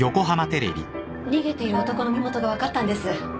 逃げている男の身元が分かったんです。